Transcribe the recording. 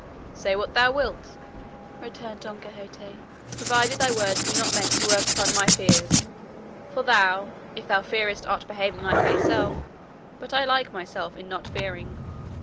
"Say what thou wilt," returned Don Quixote, "provided thy words be not meant to work upon my fears; for thou, if thou fearest, art behaving like thyself; but I like myself, in not fearing."